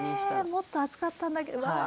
もっと厚かったんだけどわあ